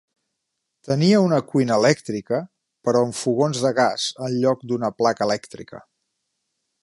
Tenia una cuina elèctrica, però amb fogons de gas en lloc d'una placa elèctrica.